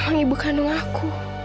memang ibu kandung aku